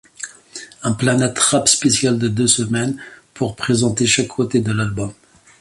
Un Planète Rap spécial de deux semaines, pour présenter chaque côté de l'album.